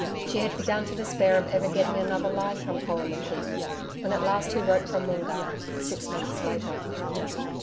She had begun to despair of ever getting another line from Colin McKeith, when at last he wrote from Moongarr, six months later.